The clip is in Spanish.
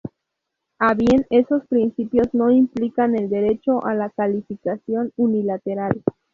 A bien, esos principios no implican el derecho a la calificación unilateral.